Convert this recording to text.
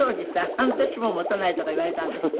半年も持たないとか言われたんですって？